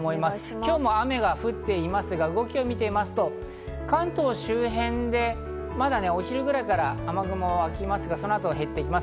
今日も雨が降っていますが、動きを見てみますと、関東周辺でまだお昼ぐらいから雨雲がありますが、その後減っていきます。